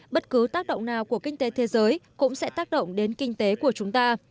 bất cứ tác động nào của kinh tế thế giới cũng sẽ tác động đến kinh tế của chúng ta